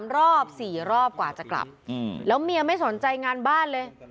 รอบ๔รอบกว่าจะกลับแล้วเมียไม่สนใจงานบ้านเลย